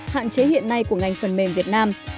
hạn chế hiện nay của ngành phần mềm việt nam